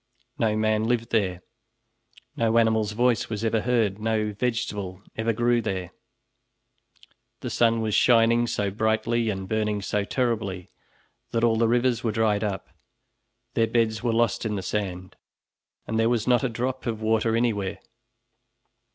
No man lived there, no animal's voice was ever heard, no vegetable ever grew there; the sun was shining so brightly and burning so terribly that all the rivers were dried up, their beds were lost in the sand, and there was not a drop of water anywhere.